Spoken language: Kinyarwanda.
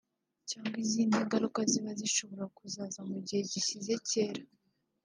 cyangwa izindi ngaruka ziba zishobora kuzaza mu gihe gishyize kera